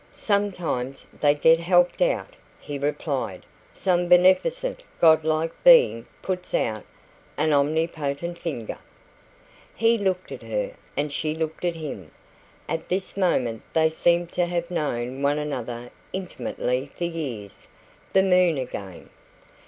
"Sometimes they get helped out," he replied. "Some beneficent, godlike being puts out an omnipotent finger " He looked at her, and she looked at him. At this moment they seemed to have known one another intimately for years. The moon again.